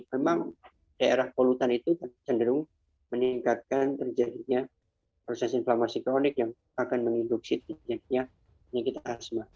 memang daerah polutan itu cenderung meningkatkan terjadinya proses inflamasi kronik yang akan menginduksi terjadinya penyakit asma